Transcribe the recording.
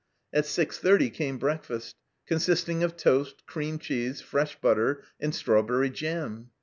At 6.30 came breakfast, consisting of toast, cream cheese, fresh butter, and strawberry jam